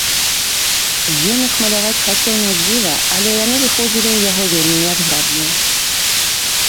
Ён іх маляваць хацеў надзіва, але яны выходзілі ў яго вельмі нязграбныя.